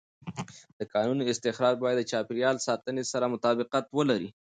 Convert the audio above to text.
د کانونو استخراج باید د چاپېر یال ساتنې سره مطابقت ولري.